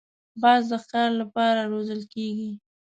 باز د ښکار له پاره روزل کېږي